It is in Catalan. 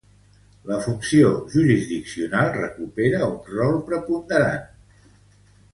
La funció jurisdiccional recupera un rol preponderant.